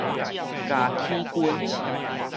咬齒根